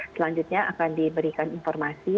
selanjutnya akan diberikan informasi